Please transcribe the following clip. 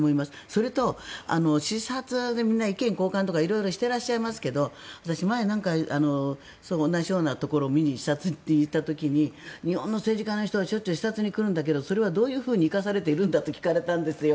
それと、視察でみんな、意見交換とか色々してらっしゃいますが私、前同じようなところを見に視察に行った時に日本の政治家の人がしょっちゅう視察に来るんだけれどもそれはどういうふうに生かされているんだと聞かれたんですよ。